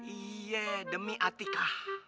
iya demi atika